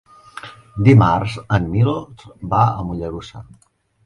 Dimarts en Milos va a Mollerussa.